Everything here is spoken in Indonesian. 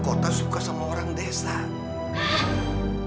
poinnya panjang tidak